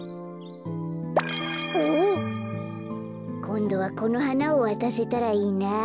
こんどはこのはなをわたせたらいいなあ。